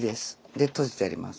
で綴じてあります。